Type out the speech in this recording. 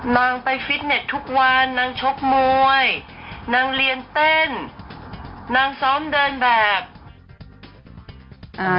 นางไปฟิตเน็ตทุกวันนางชกมวยนางเรียนเต้นนางซ้อมเดินแบบอ่า